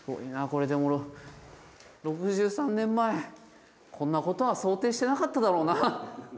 これでも６３年前こんなことは想定してなかっただろうな。